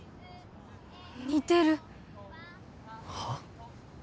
似てるはっ？